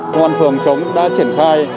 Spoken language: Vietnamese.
công an phường hàng chống đã triển khai